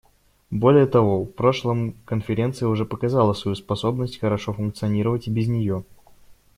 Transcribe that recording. Более того, в прошлом Конференция уже показала свою способность хорошо функционировать и без нее.